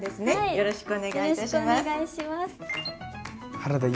よろしくお願いします。